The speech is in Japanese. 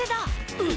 うん！